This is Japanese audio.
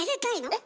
えっ！